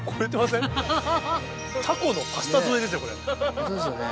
ホントですよね。